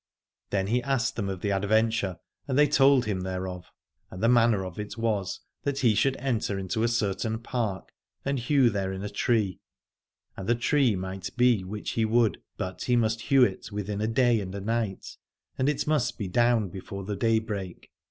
Then he asked them of the adventure, and they told him thereof: and the manner of it was that he should enter in a certain park and hew therein a tree : and the tree might be which he would, but he must hew it within a day and a night, and it must be down before the daybreak.